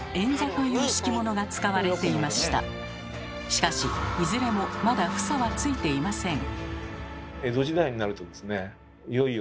しかしいずれもまだ房はついていません。